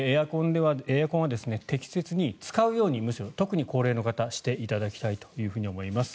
エアコンは適切に使うようにむしろ特に高齢の方はしていただきたいと思います。